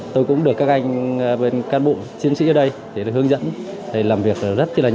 tôi cũng được các anh cán bộ chiến sĩ ở đây hướng dẫn làm việc rất là